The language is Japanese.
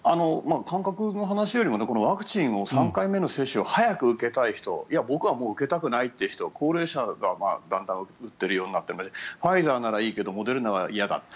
間隔の話よりもワクチン３回目の接種を早く受けたい人僕はもう受けたくないという人高齢者がだんだん打っているようになってファイザーならいいけどモデルナは嫌だ。